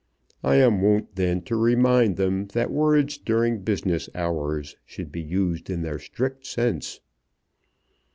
I am wont then to remind them that words during business hours should be used in their strict sense.